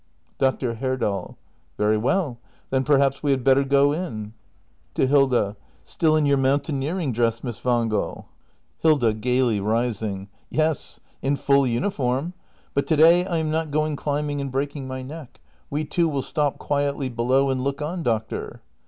Dr. Herdal. Very well; then perhaps we had better go in. [To Hilda.] Still in your mountaineering dress, Miss Wan gel? 396 THE MASTER BUILDER [act hi Hilda. [Gaily, rising.] Yes — in full uniform! But to day I am not going climbing and breaking my neck. We two will stop quietly below and look on, doctor.